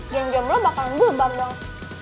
genjel lo bakalan gue bang dong